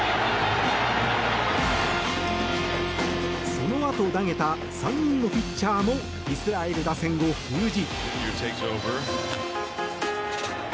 そのあと投げた３人のピッチャーもイスラエル打線を封じ。